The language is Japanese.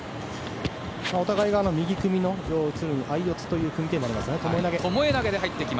お互いが、右組みの相四つという組手になりますね。